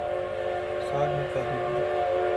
سال میں پہلی بار